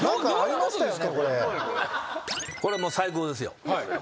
これもう最高ですよ。